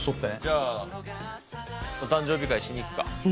じゃあお誕生日会しに行くか。